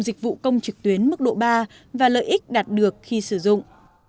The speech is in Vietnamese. dịch vụ công trực tuyến mức độ ba và lợi ích đạt được khi sử dụng